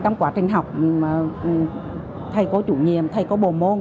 trong quá trình học thầy cô chủ nhiệm thầy cô bộ môn